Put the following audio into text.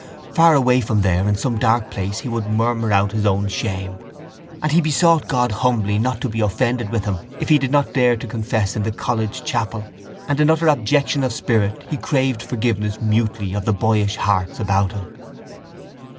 Far away from there in some dark place he would murmur out his own shame; and he besought God humbly not to be offended with him if he did not dare to confess in the college chapel and in utter abjection of spirit he craved forgiveness mutely of the boyish hearts about him.